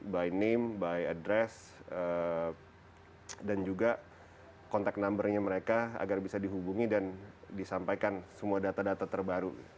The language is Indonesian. by name by address dan juga contact numbernya mereka agar bisa dihubungi dan disampaikan semua data data terbaru